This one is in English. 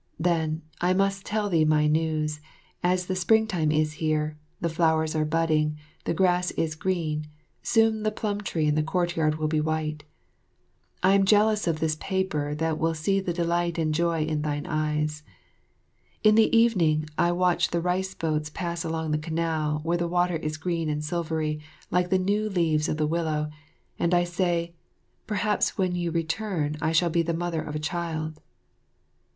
Then, I must tell thee my news, as the springtime is here, the flowers are budding, the grass is green, soon the plum tree in the courtyard will be white. I am jealous of this paper that will see the delight and joy in thine eyes. In the evening I watch the rice boats pass along the canal, where the water is green and silvery like the new leaves of the willow, and I say, "Perhaps when you return, I shall be the mother of a child."